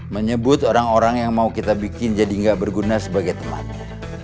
menyebut orang orang yang mau kita bikin jadi nggak berguna sebagai temannya